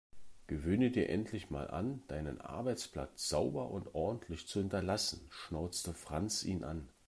Gewöhne dir endlich mal an, deinen Arbeitsplatz sauber und ordentlich zu hinterlassen, schnauzte Franz ihn an.